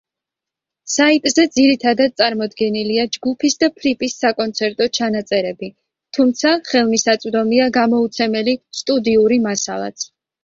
საიტზე ძირითადად წარმოდგენილია ჯგუფის და ფრიპის საკონცერტო ჩანაწერები, თუმცა ხელმისაწვდომია გამოუცემელი სტუდიური მასალაც.